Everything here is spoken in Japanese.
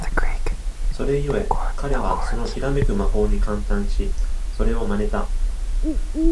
それゆえ、彼はそのきらめく魔法に感嘆し、それを真似た。